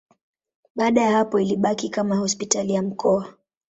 Baada ya hapo ilibaki kama hospitali ya mkoa.